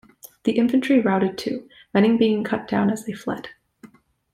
The infantry routed too, many being cut down as they fled.